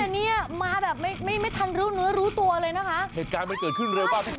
แต่เนี่ยมาแบบไม่ไม่ไม่ทันรู้เนื้อรู้ตัวเลยนะคะเหตุการณ์มันเกิดขึ้นเร็วมากที่สุด